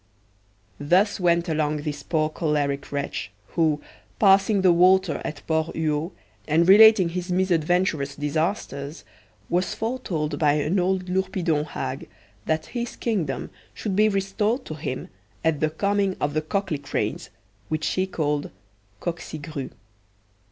Thus went along this poor choleric wretch, who, passing the water at Port Huaulx, and relating his misadventurous disasters, was foretold by an old Lourpidon hag that his kingdom should be restored to him at the coming of the Cocklicranes, which she called Coquecigrues.